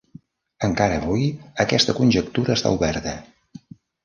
Encara avui, aquesta conjectura està oberta.